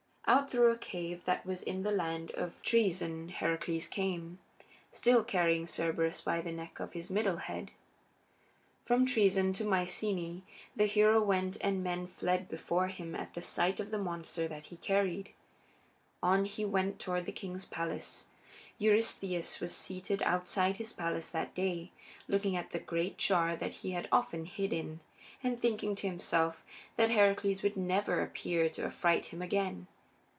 Out through a cave that was in the land of Troezen Heracles came, still carrying Cerberus by the neck of his middle head. From Troezen to Myceaæ the hero went and men fled before him at the sight of the monster that he carried. On he went toward the king's palace. Eurystheus was seated outside his palace that day, looking at the great jar that he had often hidden in, and thinking to himself that Heracles would never appear to affright him again.